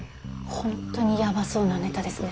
ほんとにヤバそうなネタですね。